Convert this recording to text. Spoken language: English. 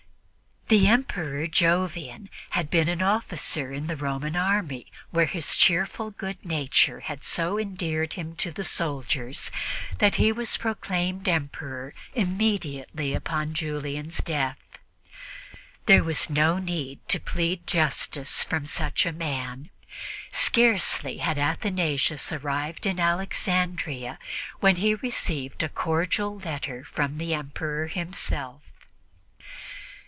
The Emperor Jovian had been an officer in the Roman Army, where his cheerful good nature had so endeared him to the soldiers that he was proclaimed Emperor immediately on Julian's death. There was no need to plead for justice with such a man; scarcely had Athanasius arrived in Alexandria when he received a cordial letter from the Emperor himself.